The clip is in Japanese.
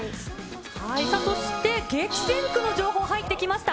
そして激戦区の情報入ってきました。